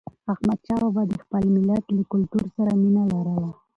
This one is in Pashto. احمدشاه بابا د خپل ملت له کلتور سره مینه لرله.